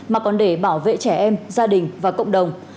mà còn để bảo vệ trẻ em gia đình và cộng đồng